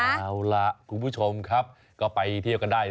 เอาล่ะคุณผู้ชมครับก็ไปเที่ยวกันได้